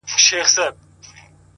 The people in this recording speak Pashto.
مثبت ذهن د فرصتونو بوی احساسوي؛